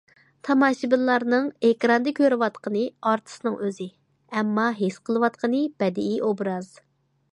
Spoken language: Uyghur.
تاماشىبىنلارنىڭ ئېكراندا كۆرۈۋاتقىنى ئارتىسنىڭ ئۆزى، ئەمما ھېس قىلىۋاتقىنى بەدىئىي ئوبراز.